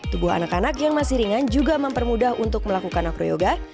tubuh anak anak yang masih ringan juga mempermudah untuk melakukan acroyoga